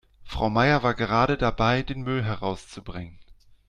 Frau Meier war gerade dabei, den Müll herauszubringen.